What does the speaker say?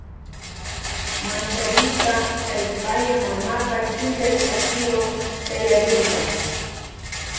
Mancharishpa chay paya mamaka chulla chakiwan chayarirka.